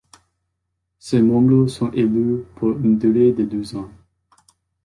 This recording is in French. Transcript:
Ses membres sont élus pour une durée de deux ans.